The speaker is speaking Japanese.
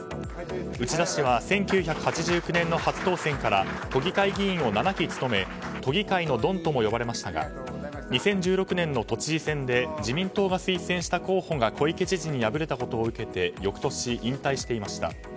内田氏は１９８９年の初当選から都議会議員を７期務め都議会のドンとも呼ばれましたが２０１６年の都知事選で自民党が推薦した候補が小池知事に敗れたことを受けて翌年、引退していました。